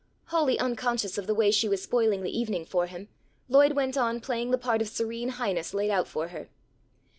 Wholly unconscious of the way she was spoiling the evening for him Lloyd went on playing the part of Serene Highness, laid out for her.